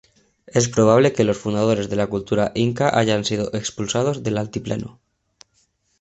Es probable que los fundadores de la cultura inca hayan sido expulsados del altiplano.